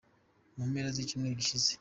mu mpera z’icyumweru gishize.